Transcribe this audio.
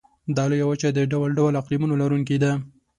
دا لویه وچه د ډول ډول اقلیمونو لرونکې ده.